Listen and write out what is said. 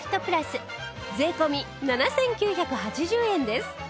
税込７９８０円です